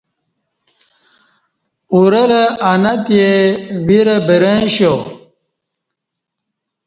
اورہ لہ انہ تے ویرہ برں اشیا